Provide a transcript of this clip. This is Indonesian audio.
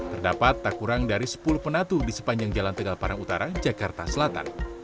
terdapat tak kurang dari sepuluh penatu di sepanjang jalan tegal parang utara jakarta selatan